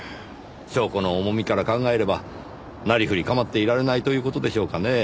証拠の重みから考えればなりふり構っていられないという事でしょうかねぇ。